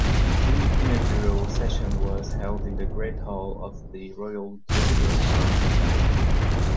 The inaugural session was held in the Great Hall of the Royal Geographical Society.